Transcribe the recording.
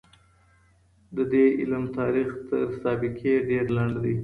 د دې علم تاريخ تر سابقې ډېر لنډ دی.